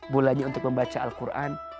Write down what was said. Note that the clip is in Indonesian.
bulannya untuk membaca al quran